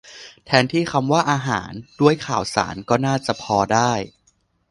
แทนที่คำว่า อาหาร ด้วย ข่าวสาร ก็น่าจะพอได้